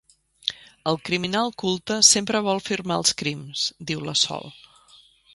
El criminal culte sempre vol firmar els crims —diu la Sol.